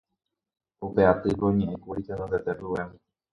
Upe atýpe oñe'ẽkuri tenondete Rubén